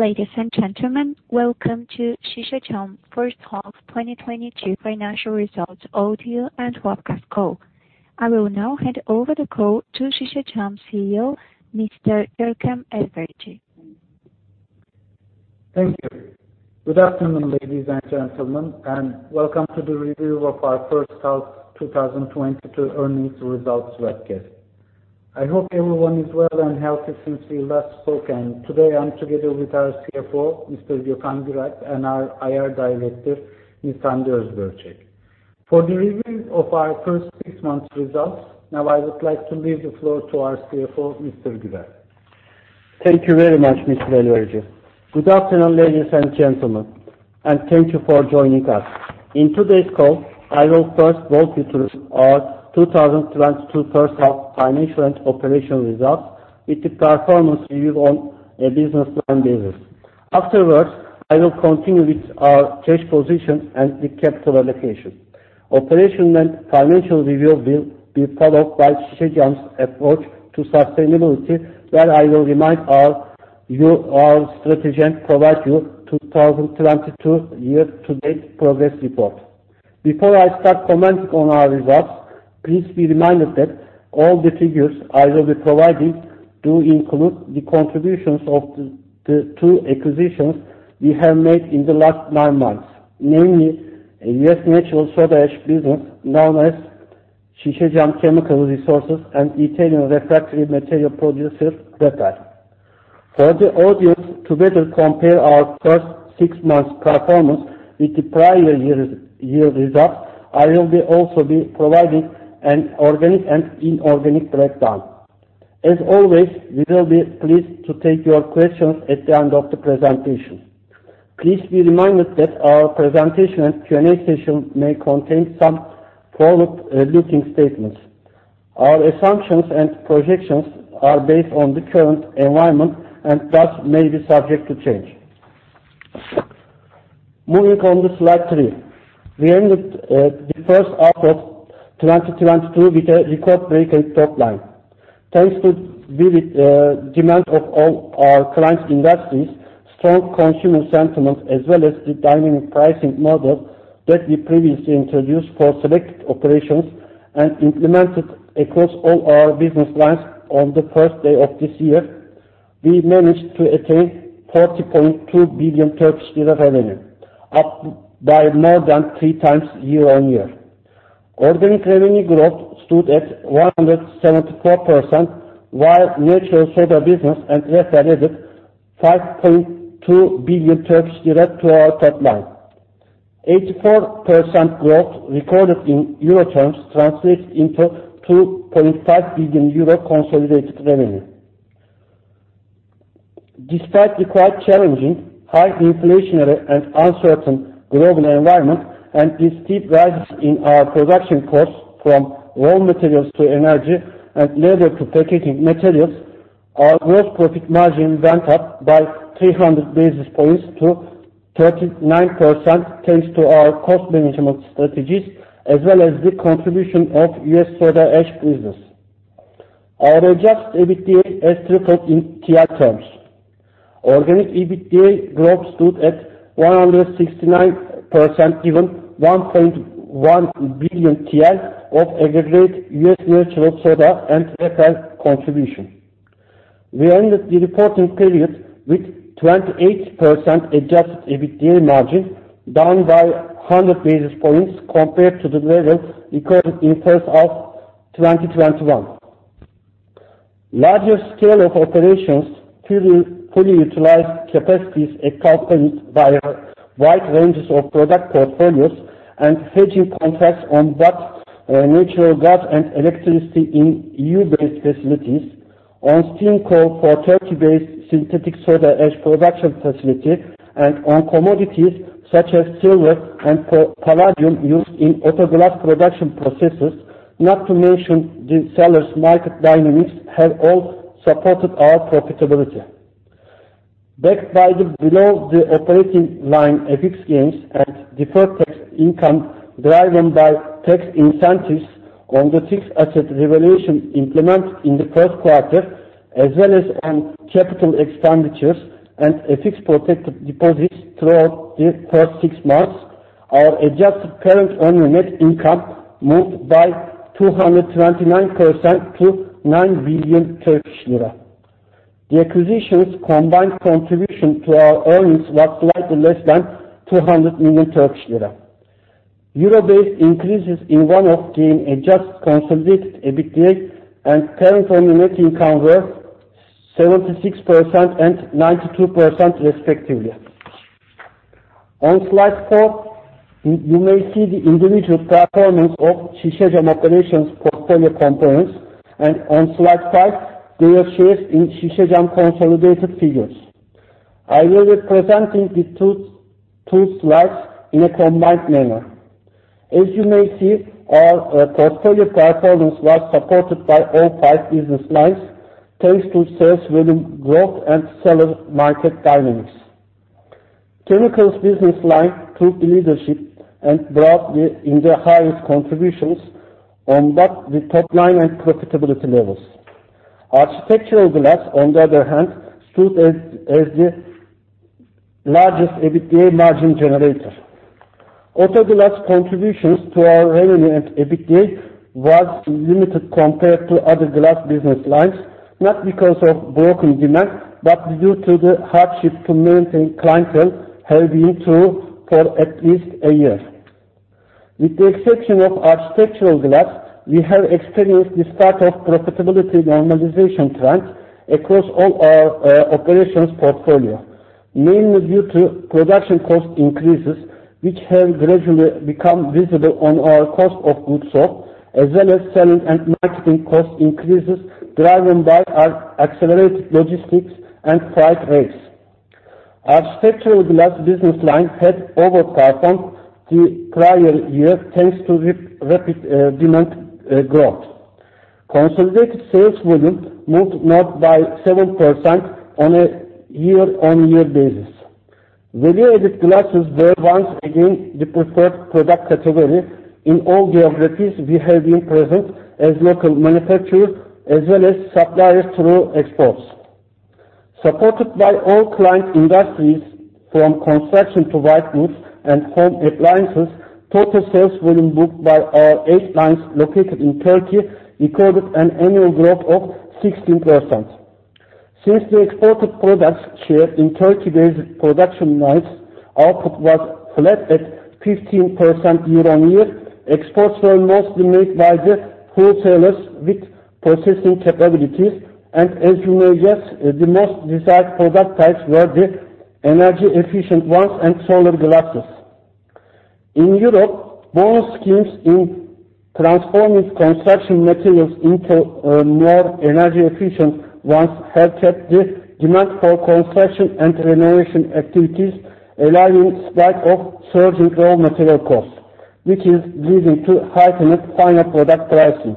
Ladies and gentlemen, welcome to Şişecam first half 2022 financial results audio and webcast call. I will now hand over the call to Şişecam CEO, Mr. Görkem Elverici. Thank you. Good afternoon, ladies and gentlemen, and welcome to the review of our first half 2022 earnings results webcast. I hope everyone is well and healthy since we last spoke. Today I'm together with our CFO, Mr. Gökhan Güralp, and our IR Director, Ms. Hande Özbörçek. For the review of our first six months results, now I would like to leave the floor to our CFO, Mr. Güralp. Thank you very much, Mr. Elverici. Good afternoon, ladies and gentlemen, and thank you for joining us. In today's call, I will first walk you through our 2022 first half financial and operational results with the performance review on a business line basis. Afterwards, I will continue with our cash position and the capital allocation. Operational and financial review will be followed by Şişecam's approach to sustainability, where I will remind you of our strategy and provide you 2022 year-to-date progress report. Before I start commenting on our results, please be reminded that all the figures I will be providing do include the contributions of the two acquisitions we have made in the last nine months, namely US Natural Soda Ash business, known as Şişecam Chemicals Resources, and Italian refractory material producer, Refel. For the audience to better compare our first six months performance with the prior year's results, I will also be providing an organic and inorganic breakdown. As always, we will be pleased to take your questions at the end of the presentation. Please be reminded that our presentation and Q&A session may contain some forward-looking statements. Our assumptions and projections are based on the current environment and thus may be subject to change. Moving on to slide three. We ended the first half of 2022 with a record-breaking top line. Thanks to vivid demand of all our clients' industries, strong consumer sentiment, as well as the dynamic pricing model that we previously introduced for select operations and implemented across all our business lines on the first day of this year, we managed to attain TRY 40.2 billion revenue, up by more than three times year-on-year. Organic revenue growth stood at 174%, while Natural Soda business and Refel added 5.2 billion Turkish lira to our top line. 84% growth recorded in euro terms translates into 2.5 billion euro consolidated revenue. Despite the quite challenging, high inflationary and uncertain global environment, and the steep rises in our production costs from raw materials to energy and labor to packaging materials, our gross profit margin went up by 300 basis points to 39%, thanks to our cost management strategies as well as the contribution of US soda ash business. Our adjusted EBITDA has tripled in TRY terms. Organic EBITDA growth stood at 169%, given 1.1 billion TL of aggregate U.S. natural soda and Refel contribution. We ended the reporting period with 28% adjusted EBITDA margin, down by 100 basis points compared to the level recorded in first half 2021. Larger scale of operations, fully utilized capacities accompanied by a wide ranges of product portfolios and hedging contracts on both, natural gas and electricity in EU-based facilities, on steam coal for Turkey-based synthetic soda ash production facility, and on commodities such as silver and palladium used in auto glass production processes, not to mention the seller's market dynamics have all supported our profitability. Backed by the below-the-operating-line FX gains and deferred tax income driven by tax incentives on the fixed asset revaluation implemented in the first quarter, as well as on capital expenditures and FX-protected deposits throughout the first six months, our adjusted parent owner net income moved by 229% to 9 billion Turkish lira. The acquisitions' combined contribution to our earnings was slightly less than 200 million Turkish lira. Euro-based increases in one-off gain-adjusted consolidated EBITDA and parent owner net income were 76% and 92% respectively. On slide four, you may see the individual performance of Şişecam operations portfolio components, and on slide five, their shares in Şişecam consolidated figures. I will be presenting the two slides in a combined manner. As you may see, our portfolio performance was supported by all five business lines, thanks to sales volume growth and seller market dynamics. Chemicals business line took the leadership and brought in the highest contributions on both the top line and profitability levels. Architectural glass, on the other hand, stood as the largest EBITDA margin generator. Auto glass contributions to our revenue and EBITDA was limited compared to other glass business lines, not because of broken demand, but due to the hardship to maintain clientele have been through for at least a year. With the exception of Architectural Glass, we have experienced the start of profitability normalization trend across all our operations portfolio, mainly due to production cost increases, which have gradually become visible on our cost of goods sold, as well as selling and marketing cost increases driven by our accelerated logistics and freight rates. Architectural Glass business line had overperformed the prior year, thanks to rapid demand growth. Consolidated sales volume moved north by 7% on a year-on-year basis. Value-added glasses were once again the preferred product category in all geographies we have been present as local manufacturer as well as supplier through exports. Supported by all client industries from construction to white goods and home appliances, total sales volume booked by our eight lines located in Turkey recorded an annual growth of 16%. Since the exported products share in Turkey-based production lines output was flat at 15% year-on-year, exports were mostly made by the wholesalers with processing capabilities. As you may guess, the most desired product types were the energy-efficient ones and solar glass. In Europe, bonus schemes in transforming construction materials into more energy-efficient ones have kept the demand for construction and renovation activities alive in spite of surging raw material costs, which is leading to heightened final product pricing.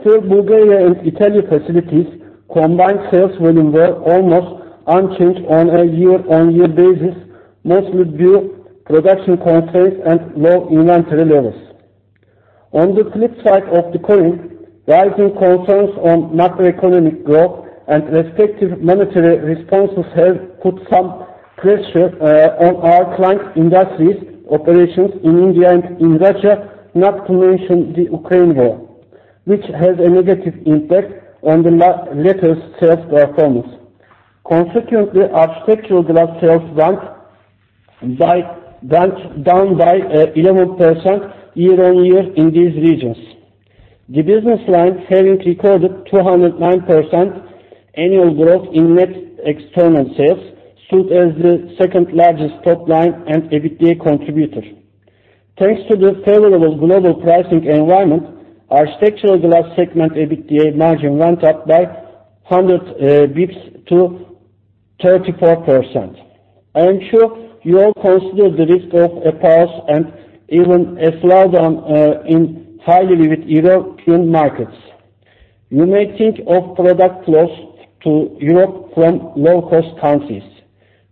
Still, Bulgaria and Italy facilities combined sales volume were almost unchanged on a year-on-year basis, mostly due to production constraints and low inventory levels. On the flip side of the coin, rising concerns on macroeconomic growth and respective monetary responses have put some pressure on our client industries operations in India and in Russia, not to mention the Ukraine war, which has a negative impact on the latter's sales performance. Consequently, Architectural Glass sales went down by 11% year-on-year in these regions. The business line having recorded 209% annual growth in net external sales stood as the second largest top line and EBITDA contributor. Thanks to the favorable global pricing environment, Architectural Glass segment EBITDA margin went up by 100 basis points to 34%. I am sure you all consider the risk of a pause and even a slowdown in highly volatile European markets. You may think of product flows to Europe from low-cost countries.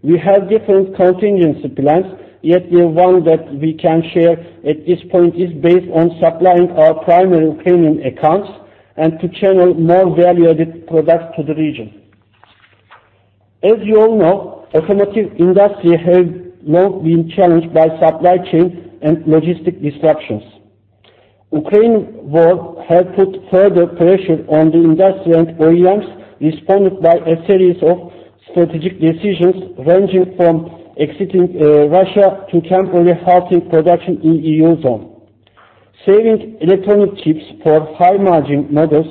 We have different contingency plans, yet the one that we can share at this point is based on supplying our primary premium accounts and to channel more value-added products to the region. As you all know, automotive industry has long been challenged by supply chain and logistics disruptions. Ukraine war has put further pressure on the industry, and O-I has responded by a series of strategic decisions ranging from exiting Russia to temporarily halting production in EU zone. Saving electronic chips for high-margin models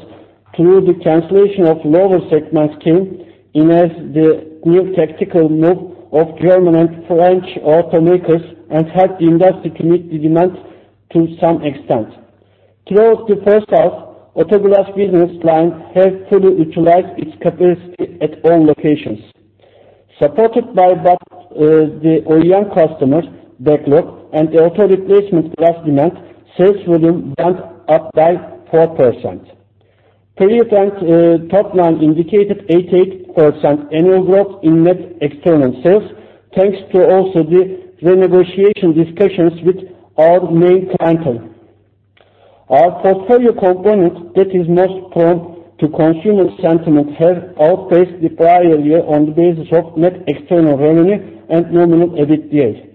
through the cancellation of lower segments came in as the new tactical move of German and French automakers and helped the industry to meet the demand to some extent. Throughout the first half, auto glass business line has fully utilized its capacity at all locations. Supported by both the OEM customers backlog and auto replacement glass demand, sales volume went up by 4%. Period end, top line indicated 88% annual growth in net external sales, thanks to also the renegotiation discussions with our main clientele. Our portfolio component that is most prone to consumer sentiment have outpaced the prior year on the basis of net external revenue and nominal EBITDA.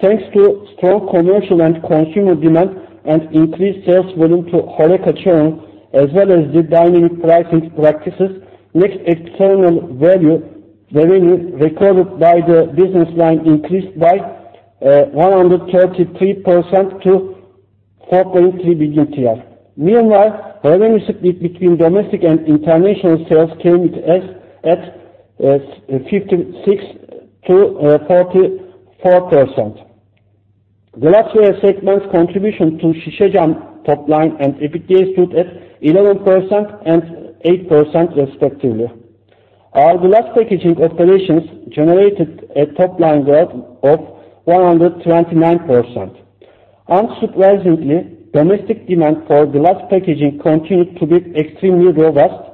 Thanks to strong commercial and consumer demand and increased sales volume to HoReCa channel, as well as the dynamic pricing practices, net external value revenue recorded by the business line increased by 133% to 4.3 billion. Meanwhile, revenue split between domestic and international sales came at 56%-44%. Glassware segment's contribution to Şişecam top line and EBITDA stood at 11% and 8% respectively. Our glass packaging operations generated a top-line growth of 129%. Unsurprisingly, domestic demand for glass packaging continued to be extremely robust,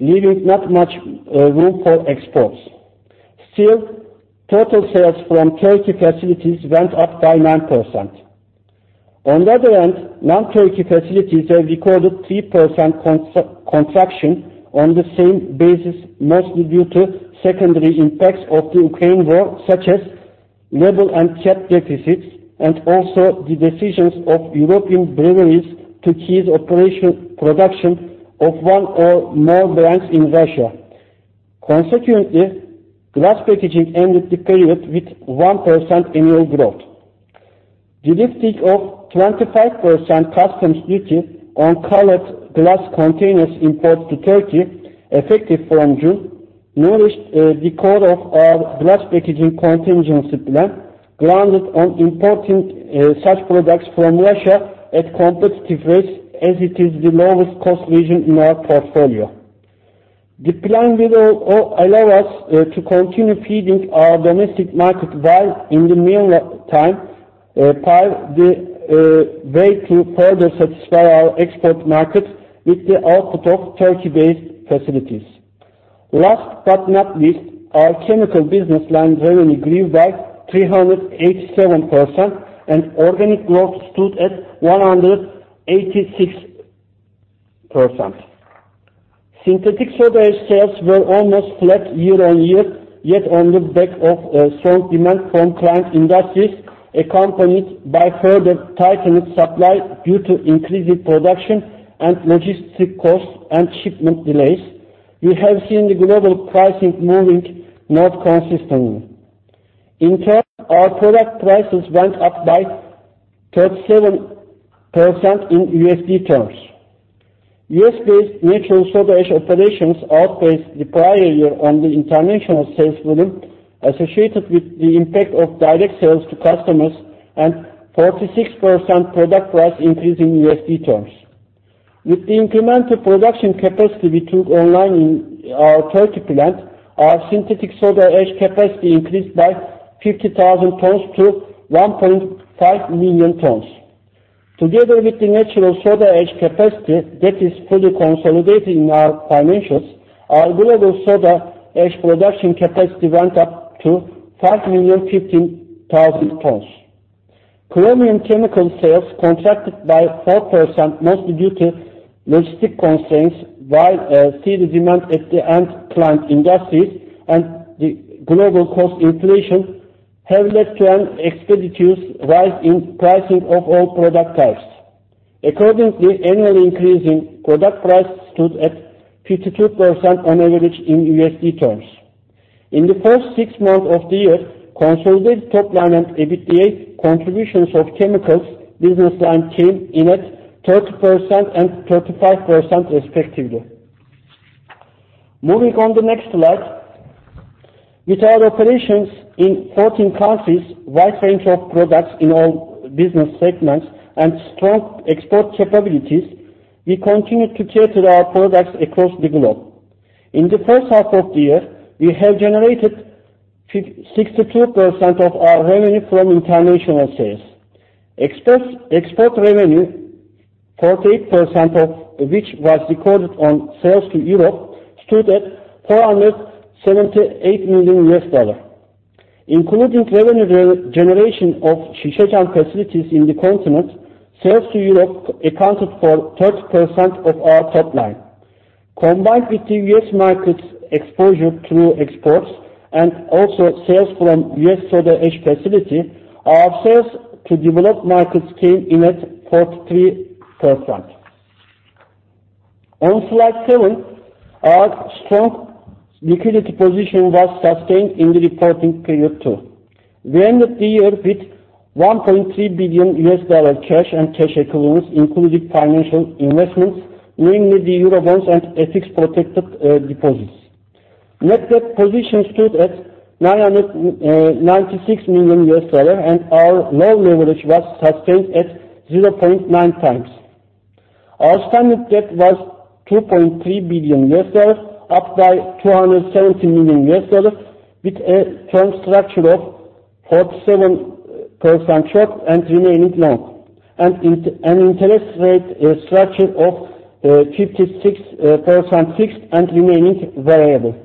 leaving not much room for exports. Still, total sales from Turkey facilities went up by 9%. On the other hand, non-Turkey facilities have recorded 3% contraction on the same basis, mostly due to secondary impacts of the Ukraine war, such as label and cap deficits, and also the decisions of European breweries to cease production of one or more brands in Russia. Consequently, glass packaging ended the period with 1% annual growth. The lifting of 25% customs duty on colored glass containers imports to Turkey, effective from June, nourished the core of our glass packaging contingency plan, grounded on importing such products from Russia at competitive rates as it is the lowest cost region in our portfolio. The plan will allow us to continue feeding our domestic market, while in the meantime, pave the way to further satisfy our export market with the output of Turkey-based facilities. Last but not least, our chemical business line revenue grew by 387%, and organic growth stood at 186%. Synthetic soda ash sales were almost flat year-on-year, yet on the back of strong demand from client industries, accompanied by further tightened supply due to increased production and logistic costs and shipment delays, we have seen the global pricing moving north consistently. In turn, our product prices went up by 37% in USD terms. US-based natural soda ash operations outpaced the prior year on the international sales volume associated with the impact of direct sales to customers and 46% product price increase in USD terms. With the incremental production capacity we took online in our Turkey plant, our synthetic soda ash capacity increased by 50,000 tons to 1.5 million tons. Together with the natural soda ash capacity that is fully consolidated in our financials, our global soda ash production capacity went up to 5,015,000 tons. Chromium chemical sales contracted by 4%, mostly due to logistic constraints, while steady demand at the end client industries and the global cost inflation have led to an expeditious rise in pricing of all product types. Accordingly, annual increase in product price stood at 52% on average in USD terms. In the first six months of the year, consolidated top line and EBITDA contributions of chemicals business line came in at 30% and 35% respectively. Moving on the next slide. With our operations in 14 countries, wide range of products in all business segments, and strong export capabilities, we continue to cater our products across the globe. In the first half of the year, we have generated 62% of our revenue from international sales. Export revenue, 48% of which was recorded on sales to Europe, stood at $478 million. Including revenue generation of Şişecam facilities in the continent, sales to Europe accounted for 30% of our top line. Combined with the U.S. market exposure through exports, and also sales from US soda ash facility, our sales to developed markets came in at 43%. On slide seven, our strong liquidity position was sustained in the reporting period too. We ended the year with $1.3 billion cash and cash equivalents, including financial investments, namely the Eurobonds and FX-protected deposits. Net debt position stood at $996 million, and our loan leverage was sustained at 0.9x. Our standard debt was $2.3 billion, up by $270 million, with a term structure of 47% short and remaining long, and an interest rate structure of 56% fixed and remaining variable.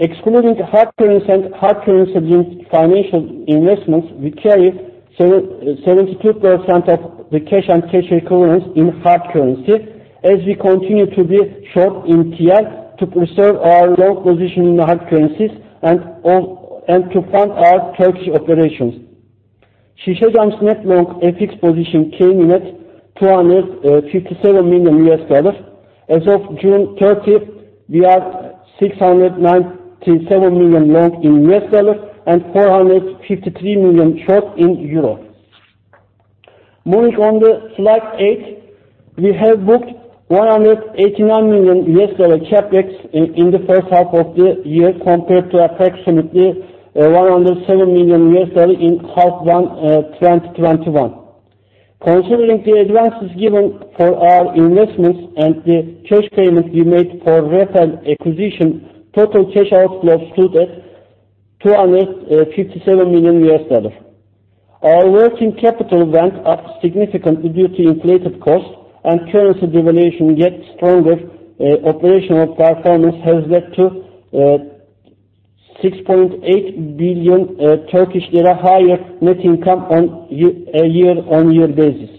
Excluding hard currency and hard currency-denominated financial investments, we carry 77.2% of the cash and cash equivalents in hard currency, as we continue to be short in TL to preserve our loan position in the hard currencies and to fund our Turkish operations. Şişecam's net long FX position came in at $257 million. As of June 30th, we are $697 million long in US dollar and EUR 453 million short in euro. Moving on to slide eight. We have booked $189 million CapEx in the first half of the year compared to approximately $107 million in the first half of 2021. Considering the advances given for our investments and the cash payment we made for Refel acquisition, total cash outflows stood at $257 million. Our working capital went up significantly due to inflated costs and currency devaluation getting stronger. Operational performance has led to 6.8 billion Turkish lira higher net income on a year-on-year basis.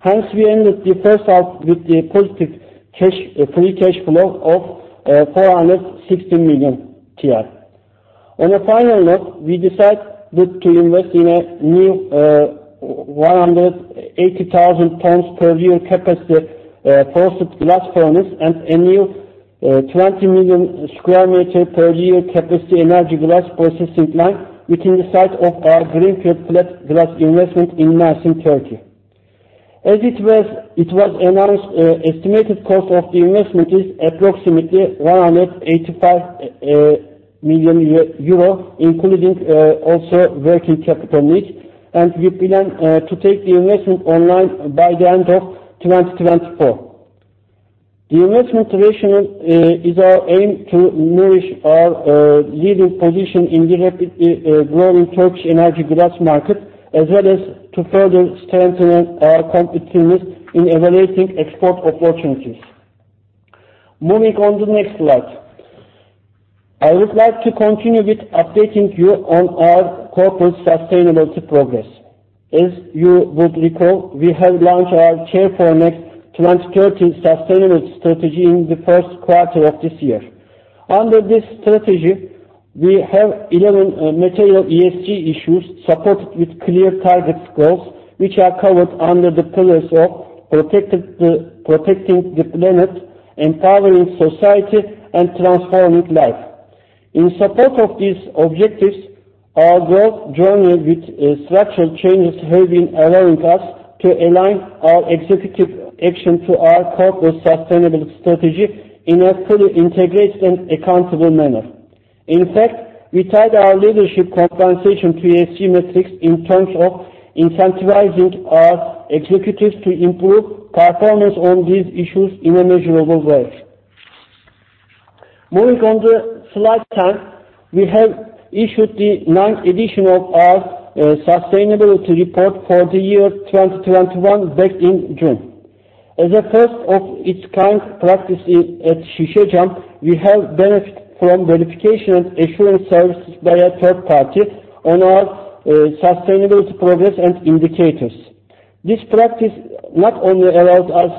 Hence, we ended the first half with a positive cash free cash flow of 460 million. On a final note, we decided to invest in a new 180,000 tons per year capacity float glass furnace and a new 20 million square meters per year capacity energy glass processing line within the site of our greenfield flat glass investment in Manisa, Turkey. As it was announced, estimated cost of the investment is approximately 185 million euro, including also working capital needs. We plan to take the investment online by the end of 2024. The investment rationale is our aim to nourish our leading position in the rapidly growing Turkish energy glass market, as well as to further strengthen our competitiveness in evaluating export opportunities. Moving on to the next slide. I would like to continue with updating you on our corporate sustainability progress. As you would recall, we have launched our CareforNext 2030 sustainability strategy in the first quarter of this year. Under this strategy, we have 11 material ESG issues supported with clear target goals, which are covered under the pillars of protecting the planet, empowering society, and transforming life. In support of these objectives, our growth journey with structural changes have been allowing us to align our executive action to our corporate sustainability strategy in a fully integrated and accountable manner. In fact, we tied our leadership compensation to ESG metrics in terms of incentivizing our executives to improve performance on these issues in a measurable way. Moving on to slide 10. We have issued the ninth edition of our sustainability report for the year 2021 back in June. As a first of its kind practice at Şişecam, we have benefited from verification and assurance services by a third party on our sustainability progress and indicators. This practice not only allows us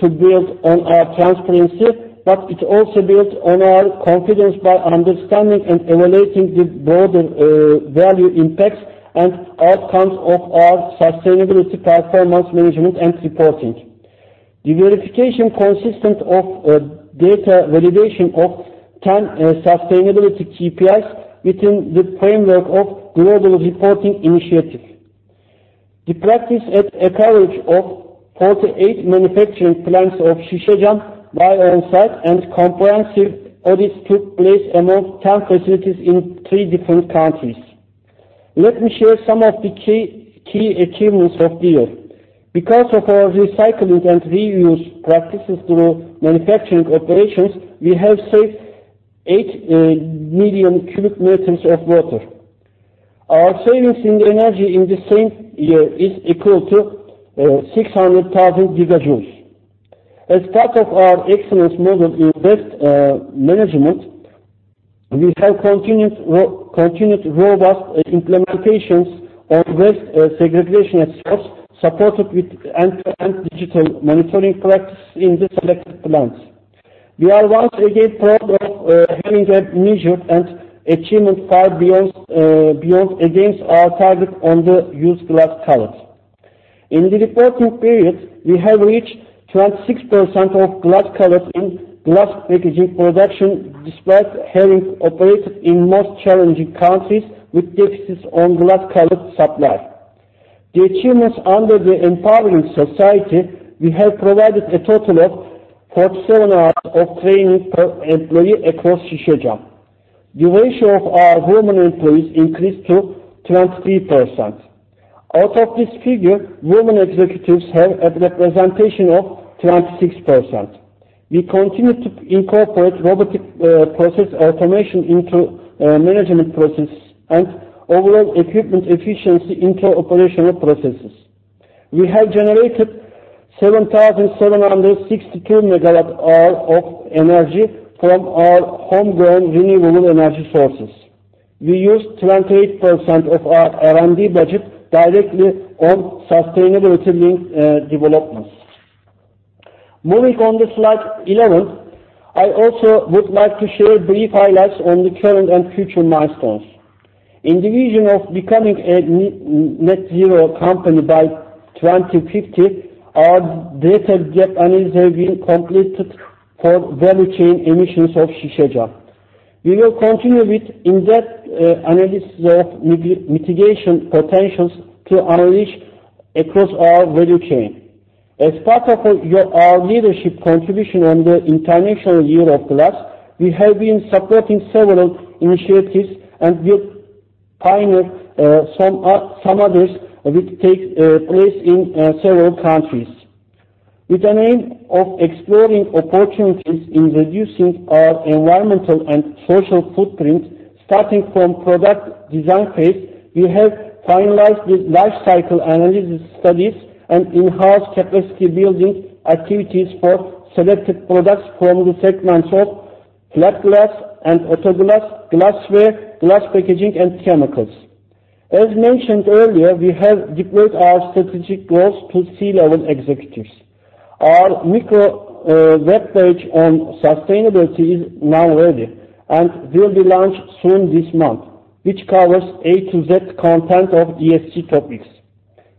to build on our transparency, but it also builds on our confidence by understanding and evaluating the broader value impacts and outcomes of our sustainability performance management and reporting. The verification consisted of data validation of 10 sustainability KPIs within the framework of Global Reporting Initiative. The practice had a coverage of 48 manufacturing plants of Şişecam by on-site, and comprehensive audits took place among 10 facilities in three different countries. Let me share some of the key achievements of the year. Because of our recycling and reuse practices through manufacturing operations, we have saved eight million cubic meters of water. Our savings in energy in the same year is equal to 600,000 GJ. As part of our excellence model in waste management, we have continued robust implementations of waste segregation at source, supported with end-to-end digital monitoring practice in the selected plants. We are once again proud of having a measured achievement far beyond our target on the used glass cullet. In the reporting period, we have reached 26% of glass cullet in glass packaging production, despite having operated in most challenging countries with deficits on glass cullet supply. The achievements under the Empowering Society, we have provided a total of 47 hours of training per employee across Şişecam. The ratio of our women employees increased to 23%. Out of this figure, women executives have a representation of 26%. We continue to incorporate robotic process automation into management processes and overall equipment efficiency into operational processes. We have generated 7,762 MWh of energy from our homegrown renewable energy sources. We use 28% of our R&D budget directly on sustainability-linked developments. Moving on to slide 11. I also would like to share brief highlights on the current and future milestones. In the vision of becoming a net zero company by 2050, our data gap analysis have been completed for value chain emissions of Şişecam. We will continue with in-depth analysis of mitigation potentials to unleash across our value chain. As part of our leadership contribution on the International Year of Glass, we have been supporting several initiatives and we pioneer some others which take place in several countries. With an aim of exploring opportunities in reducing our environmental and social footprint, starting from product design phase, we have finalized the life cycle analysis studies and in-house capacity building activities for selected products from the segments of flat glass and automotive glass, glassware, glass packaging and chemicals. As mentioned earlier, we have deployed our strategic goals to C-level executives. Our microsite on sustainability is now ready and will be launched soon this month, which covers A to Z content of ESG topics.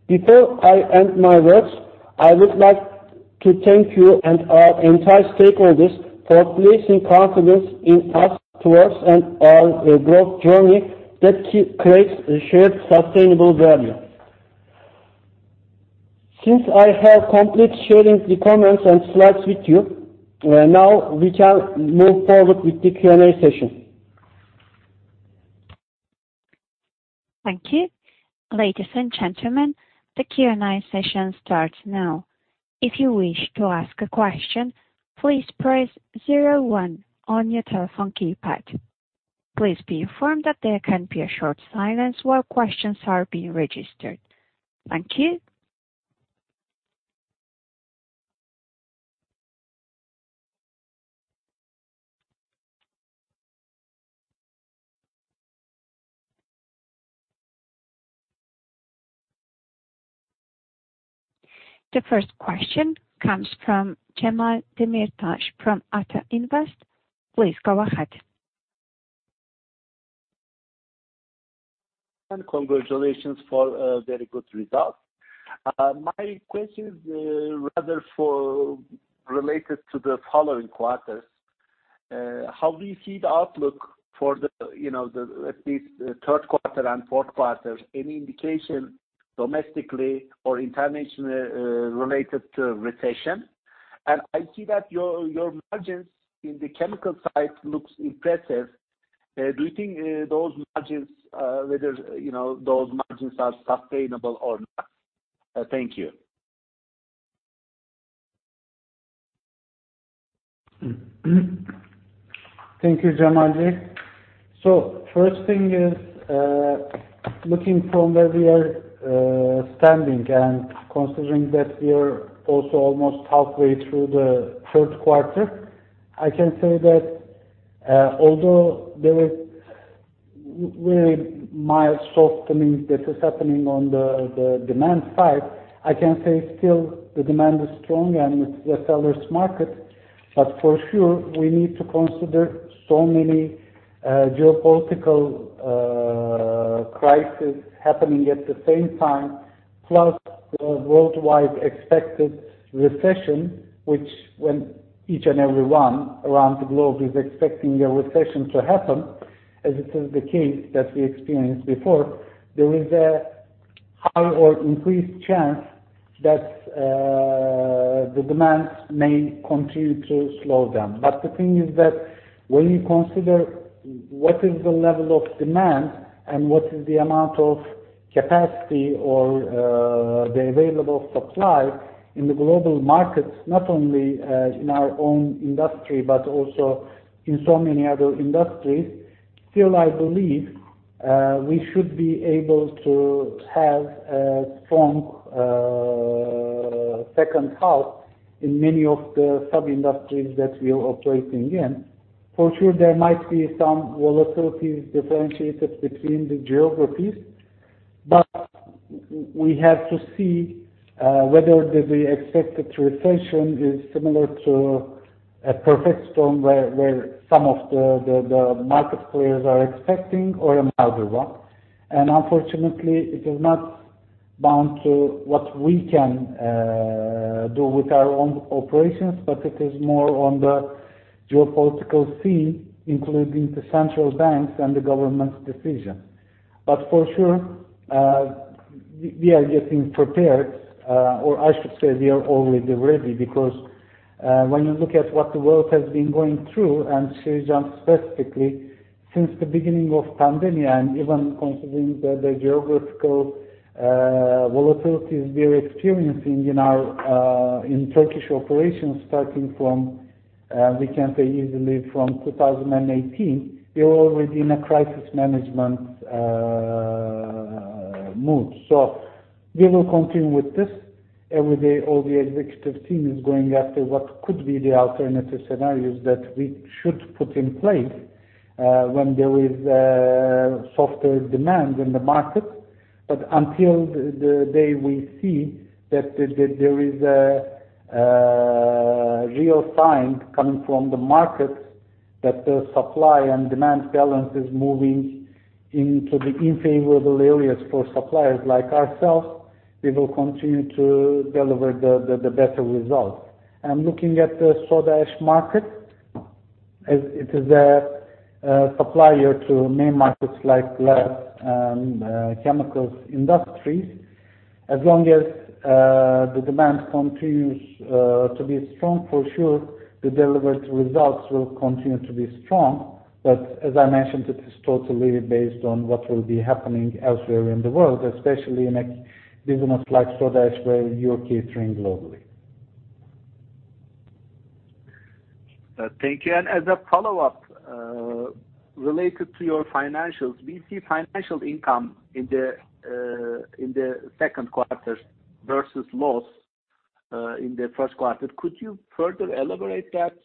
Before I end my words, I would like to thank you and our entire stakeholders for placing confidence in us and towards our growth journey that co-creates a shared sustainable value. Since I have completed sharing the comments and slides with you, now we can move forward with the Q&A session. Thank you. Ladies and gentlemen, the Q&A session starts now. If you wish to ask a question, please press zero one on your telephone keypad. Please be informed that there can be a short silence while questions are being registered. Thank you. The first question comes from Cemal Demirtaş from Ata Invest. Please go ahead. Congratulations for very good results. My question is rather related to the following quarters. How do you see the outlook for the, you know, at least the third quarter and fourth quarters? Any indication domestically or internationally related to recession? I see that your margins in the chemical side look impressive. Do you think those margins whether, you know, those margins are sustainable or not? Thank you. Thank you, Cemal. First thing is, looking from where we are standing and considering that we are also almost halfway through the third quarter, I can say that, although there is very mild softening that is happening on the demand side, I can say still the demand is strong and it's a seller's market. For sure, we need to consider so many geopolitical crisis happening at the same time, plus the worldwide expected recession, which when each and everyone around the globe is expecting a recession to happen, as it is the case that we experienced before, there is a high or increased chance that the demands may continue to slow down. The thing is that when you consider what is the level of demand and what is the amount of capacity or the available supply in the global markets, not only in our own industry, but also in so many other industries, still I believe we should be able to have a strong second half in many of the sub-industries that we are operating in. For sure, there might be some volatilities differentiated between the geographies, but we have to see whether the expected recession is similar to a perfect storm where some of the market players are expecting or a milder one. Unfortunately, it is not bound to what we can do with our own operations, but it is more on the geopolitical scene, including the central banks and the government's decision. For sure, we are getting prepared, or I should say we are already ready because when you look at what the world has been going through, and Şişecam specifically, since the beginning of the pandemic and even considering the geographical volatilities we are experiencing in our Turkish operations starting from, we can say easily from 2018, we are already in a crisis management mood. We will continue with this. Every day, all the executive team is going after what could be the alternative scenarios that we should put in place when there is a softer demand in the market. Until the day we see that there is a real sign coming from the markets that the supply and demand balance is moving into the unfavorable areas for suppliers like ourselves, we will continue to deliver the better results. Looking at the soda ash market. As it is a supplier to main markets like glass and chemicals industries. As long as the demand continues to be strong, for sure, the delivered results will continue to be strong. As I mentioned, it is totally based on what will be happening elsewhere in the world, especially in a business like soda ash, where you're catering globally. Thank you. As a follow-up, related to your financials, we see financial income in the second quarter versus loss in the first quarter. Could you further elaborate that?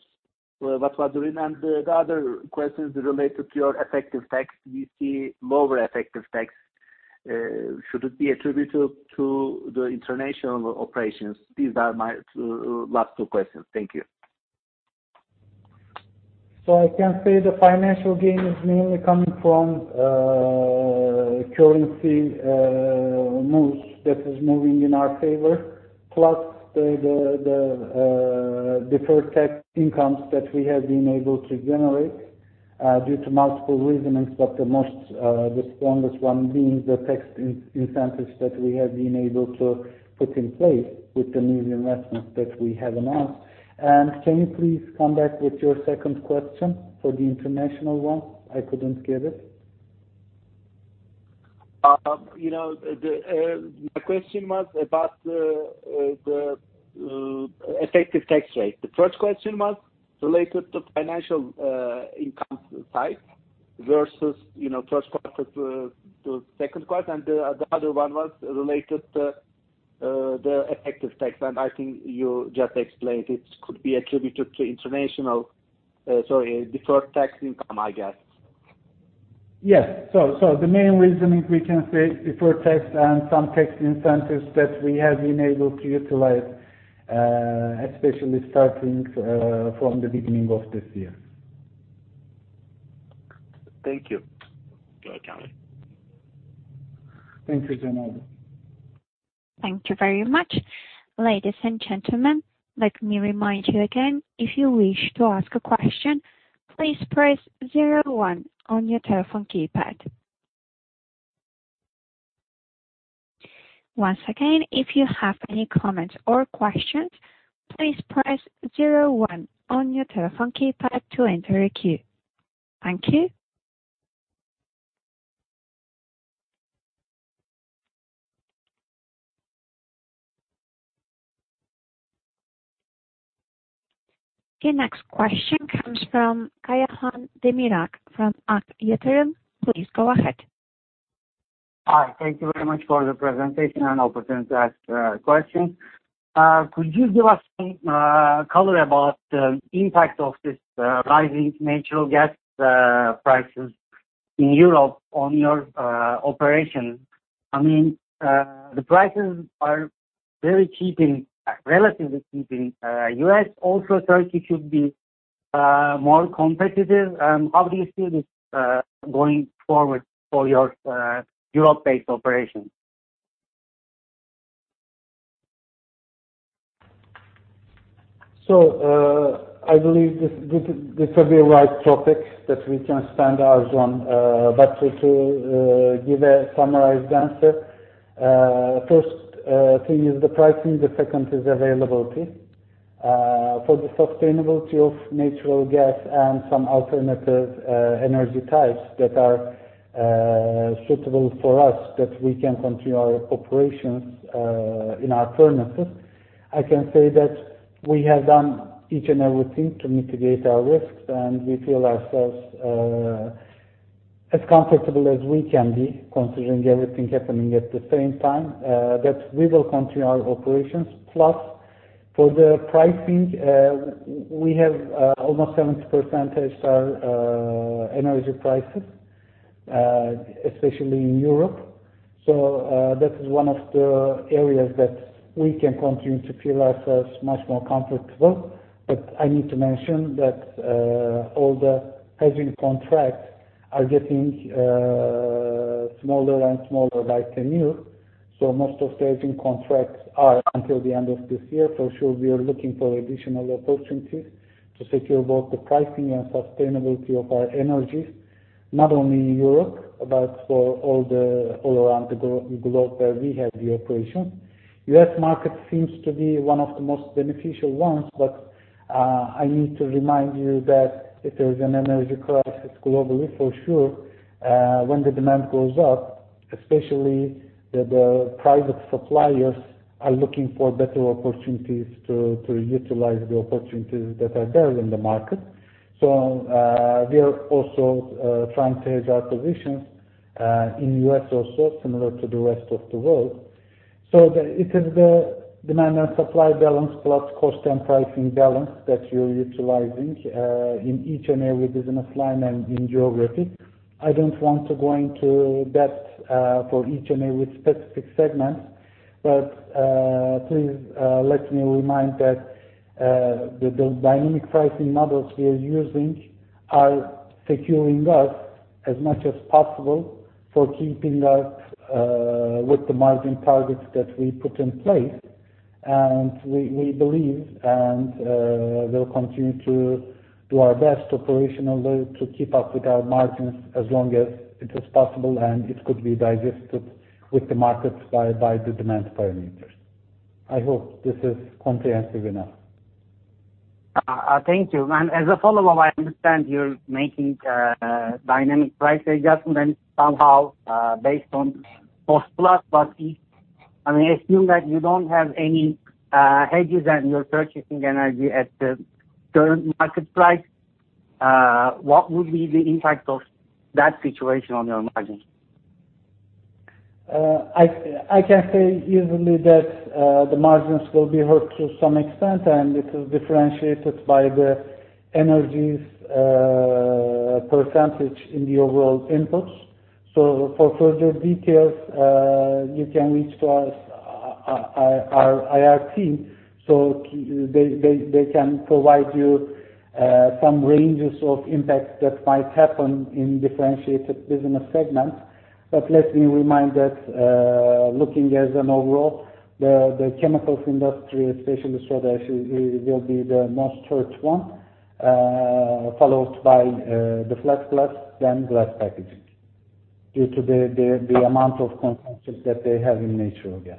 The other question is related to your effective tax. We see lower effective tax. Should it be attributed to the international operations? These are my last two questions. Thank you. I can say the financial gain is mainly coming from currency moves that are moving in our favor, plus the deferred tax incomes that we have been able to generate due to multiple reasons, but the most, the strongest one being the tax incentives that we have been able to put in place with the new investments that we have announced. Can you please come back with your second question for the international one? I couldn't get it. You know, my question was about the effective tax rate. The first question was related to financial income type versus, you know, first quarter to second quarter. The other one was related to the effective tax, and I think you just explained it. It could be attributed to international, sorry, deferred tax income, I guess. Yes. The main reasoning we can say deferred tax and some tax incentives that we have been able to utilize, especially starting from the beginning of this year. Thank you. Thank you, Cemal. Thank you very much. Ladies and gentlemen, let me remind you again. If you wish to ask a question, please press zero one on your telephone keypad. Once again, if you have any comments or questions, please press zero one on your telephone keypad to enter a queue. Thank you. The next question comes from Kayahan Demirak from AK Yatırım. Please go ahead. Hi. Thank you very much for the presentation and opportunity to ask questions. Could you give us some color about the impact of this rising natural gas prices in Europe on your operations? I mean, the prices are very cheap, relatively cheap in U.S. Also, Turkey should be more competitive. How do you see this going forward for your Europe-based operations? I believe this will be a right topic that we can expand ours on. To give a summarized answer, first thing is the pricing, the second is availability. For the sustainability of natural gas and some alternative energy types that are suitable for us that we can continue our operations in our furnaces. I can say that we have done each and everything to mitigate our risks, and we feel ourselves as comfortable as we can be, considering everything happening at the same time that we will continue our operations. Plus, for the pricing, we have almost 70% our energy prices, especially in Europe. That is one of the areas that we can continue to feel ourselves much more comfortable. I need to mention that all the hedging contracts are getting smaller and smaller by the year. Most of the hedging contracts are until the end of this year. For sure, we are looking for additional opportunities to secure both the pricing and sustainability of our energies, not only in Europe, but for all around the globe where we have the operations. U.S. market seems to be one of the most beneficial ones, but I need to remind you that if there's an energy crisis globally, for sure, when the demand goes up, especially the private suppliers are looking for better opportunities to utilize the opportunities that are there in the market. We are also trying to hedge our positions in U.S. also similar to the rest of the world. It is the demand and supply balance, plus cost and pricing balance that you're utilizing in each and every business line and in geography. I don't want to go into that for each and every specific segment, but please let me remind that the dynamic pricing models we are using are securing us as much as possible for keeping us with the margin targets that we put in place. We believe and will continue to do our best operationally to keep up with our margins as long as it is possible, and it could be digested with the markets by the demand parameters. I hope this is comprehensive enough. Thank you. As a follow-up, I understand you're making dynamic price adjustments somehow based on cost plus. I mean, assume that you don't have any hedges and you're purchasing energy at the current market price, what would be the impact of that situation on your margins? I can say easily that the margins will be hurt to some extent, and it is differentiated by the energy's percentage in the overall inputs. For further details, you can reach to us, our IR team, so they can provide you some ranges of impact that might happen in differentiated business segments. Let me remind that looking as an overall, the chemicals industry, especially soda ash, will be the most hurt one, followed by the flat glass, then glass packaging due to the amount of consumption that they have in natural gas.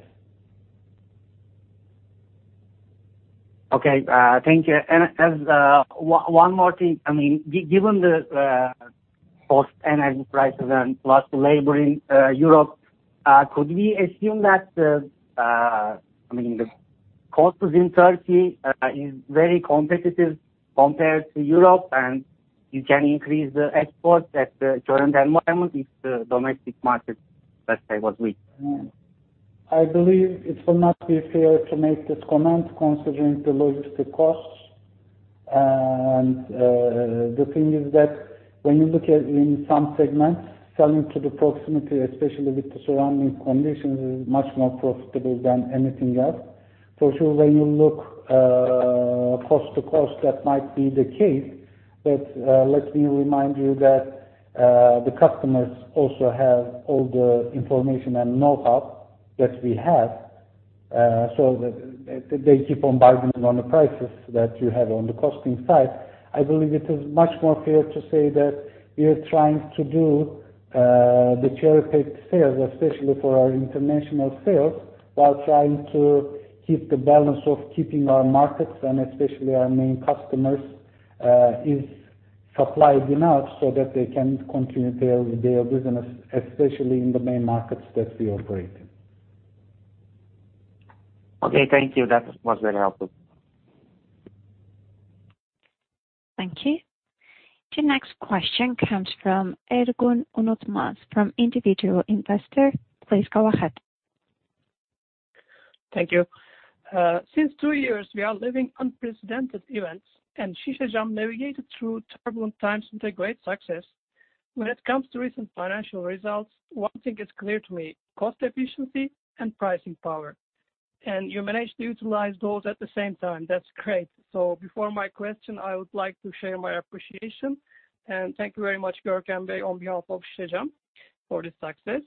Okay. Thank you. As one more thing, I mean, given the high energy prices and high labor in Europe, could we assume that I mean, the costs in Turkey is very competitive compared to Europe, and you can increase the exports in the current environment if the domestic market, let's say, was weak? I believe it will not be fair to make this comment considering the logistics costs. The thing is that when you look at in some segments, selling to the proximity, especially with the surrounding conditions, is much more profitable than anything else. For sure, when you look, cost-to-cost, that might be the case. Let me remind you that the customers also have all the information and know-how that we have, so that they keep on bargaining on the prices that you have on the costing side. I believe it is much more fair to say that we are trying to do the cherry-picked sales, especially for our international sales, while trying to keep the balance of keeping our markets and especially our main customers is supplied enough so that they can continue their business, especially in the main markets that we operate in. Okay. Thank you. That was very helpful. Thank you. The next question comes from Ergun Unutmaz from Individual Investor. Please go ahead. Thank you. Since two years, we are living unprecedented events, and Şişecam navigated through turbulent times into great success. When it comes to recent financial results, one thing is clear to me, cost efficiency and pricing power. You managed to utilize those at the same time. That's great. Before my question, I would like to share my appreciation. Thank you very much, Görkem Elverici, on behalf of Şişecam for this success.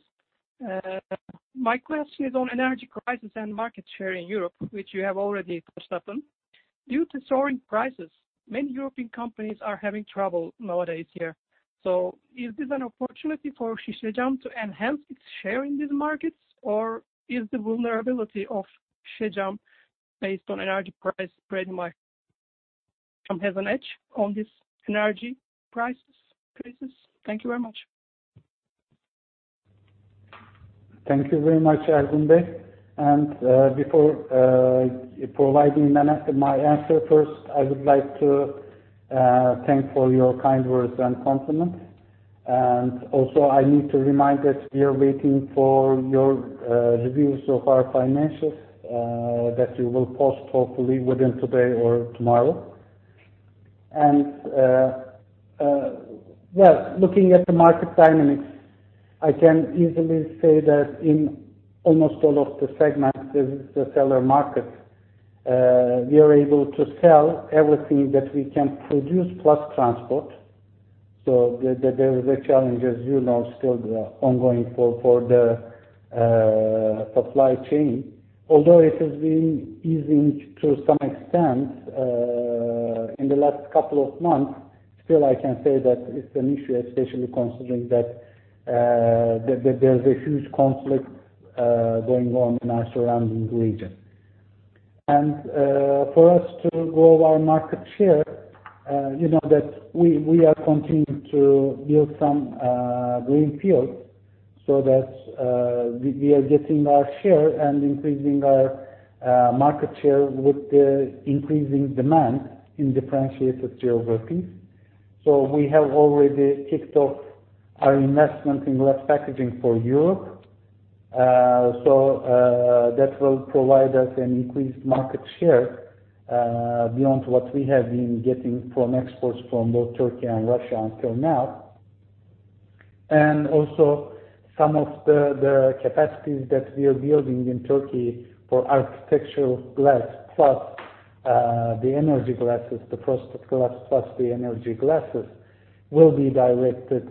My question is on energy crisis and market share in Europe, which you have already touched upon. Due to soaring prices, many European companies are having trouble nowadays here. Is this an opportunity for Şişecam to enhance its share in these markets, or is the vulnerability of Şişecam based on energy prices spread by having an edge on this energy prices crisis? Thank you very much. Thank you very much, Ergun. Before providing an answer, first, I would like to thank for your kind words and compliment. Also I need to remind that we are waiting for your reviews of our financials that you will post hopefully within today or tomorrow. Well, looking at the market dynamics, I can easily say that in almost all of the segments, this is the seller market. We are able to sell everything that we can produce plus transport. There is a challenge as you know, still ongoing for the supply chain. Although it has been easing to some extent, in the last couple of months, still I can say that it's an issue, especially considering that, there's a huge conflict going on in our surrounding region. For us to grow our market share, you know that we are continuing to build some greenfield so that we are getting our share and increasing our market share with the increasing demand in differentiated geographies. We have already kicked off our investment in glass packaging for Europe. That will provide us an increased market share beyond what we have been getting from exports from both Turkey and Russia until now. Also some of the capacities that we are building in Turkey for architectural glass plus the energy glasses, the flat glass plus the energy glasses will be directed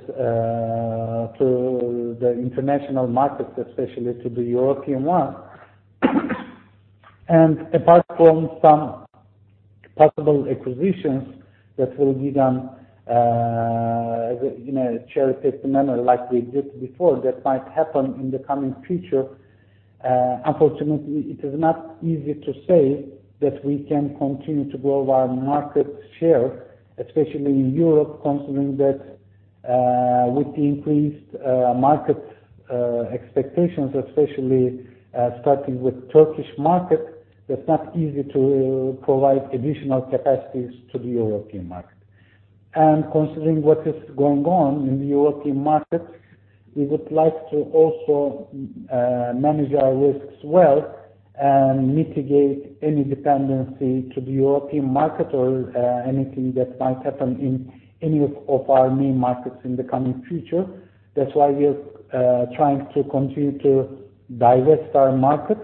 to the international markets, especially to the European one. Apart from some possible acquisitions that will be done, you know, cherry-picked manner like we did before, that might happen in the coming future. Unfortunately, it is not easy to say that we can continue to grow our market share, especially in Europe, considering that with the increased market expectations, especially starting with Turkish market, it is not easy to provide additional capacities to the European market. Considering what is going on in the European market, we would like to also manage our risks well and mitigate any dependency to the European market or anything that might happen in any of our main markets in the coming future. That's why we are trying to continue to diversify our markets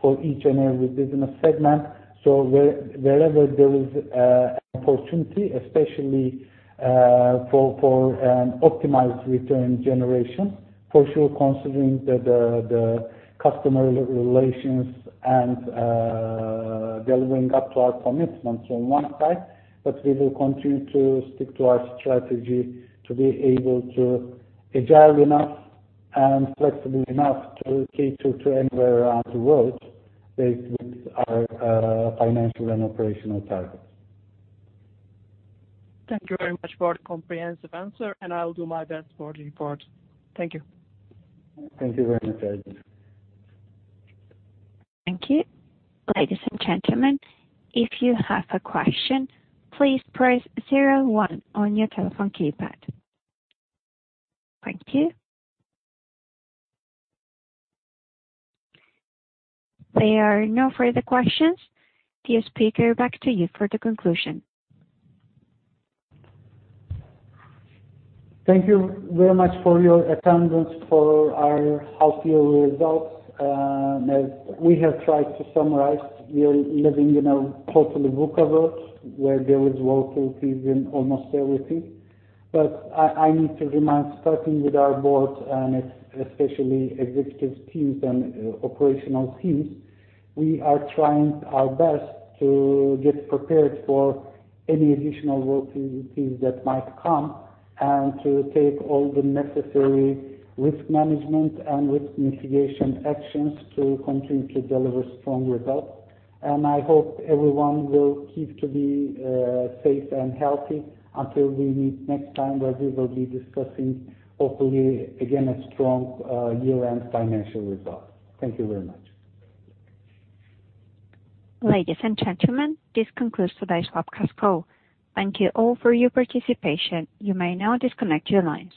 for each and every business segment. Wherever there is an opportunity, especially for optimized return generation, for sure, considering the customer relations and delivering up to our commitments on one side, but we will continue to stick to our strategy to be able to agile enough and flexible enough to cater to anywhere around the world based with our financial and operational targets. Thank you very much for the comprehensive answer, and I will do my best for the report. Thank you. Thank you very much, Ergun. Thank you. Ladies and gentlemen, if you have a question, please press zero one on your telephone keypad. Thank you. There are no further questions. Dear speaker, back to you for the conclusion. Thank you very much for your attendance for our half-year results. As we have tried to summarize, we are living in a totally volatile world where there is volatility in almost everything. I need to remind, starting with our board and especially executive teams and operational teams, we are trying our best to get prepared for any additional volatility that might come and to take all the necessary risk management and risk mitigation actions to continue to deliver strong results. I hope everyone will keep to be safe and healthy until we meet next time, where we will be discussing, hopefully, again, a strong year-end financial result. Thank you very much. Ladies and gentlemen, this concludes today's webcast call. Thank you all for your participation. You may now disconnect your lines.